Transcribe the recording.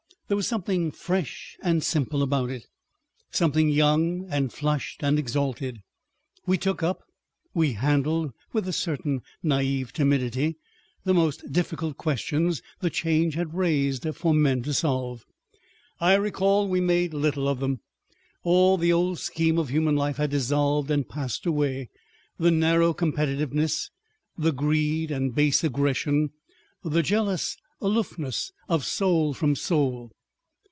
There was something fresh and simple about it, something young and flushed and exalted. We took up, we handled with a certain naive timidity, the most difficult questions the Change had raised for men to solve. I recall we made little of them. All the old scheme of human life had dissolved and passed away, the narrow competitiveness, the greed and base aggression, the jealous aloofness of soul from soul.